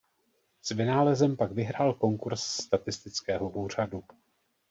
S vynálezem pak vyhrál konkurz statistického úřadu.